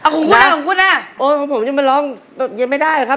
ของผมก็ยังมันร้องยังไม่ได้ครับ